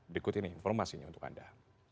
berikut ini informasinya untuk anda